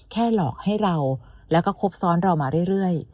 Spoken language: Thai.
หลอกให้เราแล้วก็ครบซ้อนเรามาเรื่อย